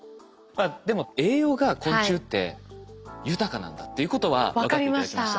まあでも栄養が昆虫って豊かなんだっていうことは分かって頂けました？